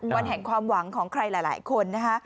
วันแห่งความหวังของใครหลายคนนะคะ